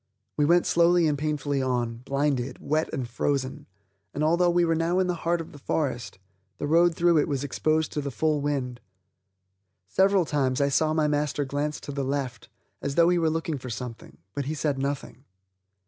We went slowly and painfully on, blinded, wet and frozen, and, although we were now in the heart of the forest, the road through it was exposed to the full wind. Several times I saw my master glance to the left, as though he were looking for something, but he said nothing.